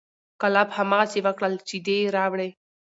کلاب هماغسې وکړل، شیدې یې راوړې،